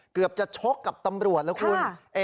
เกือบจะชกกับตำรวจแล้วคุณ